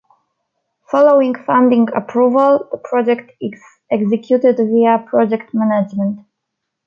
Following funding approval, the project is executed via project management.